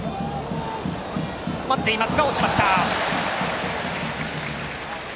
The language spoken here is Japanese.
詰まっていましたが落ちました。